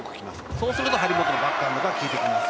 そうすると張本のバックハンドがきいてきます。